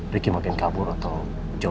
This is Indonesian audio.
riki makin kabur atau